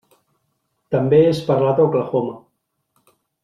També és parlat a Oklahoma.